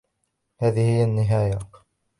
هذه هي النهاية.